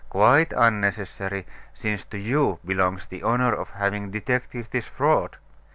Quite unnecessary, since to you belongs the honor of having detected this fraud.